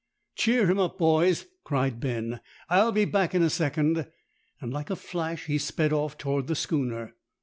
"Cheer him up, boys," cried Ben; "I'll be back in a second;" and like a flash he sped off toward the schooner.